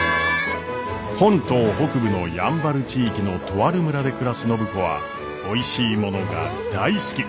本島北部のやんばる地域のとある村で暮らす暢子はおいしいものが大好き。